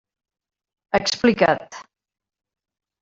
Explica't.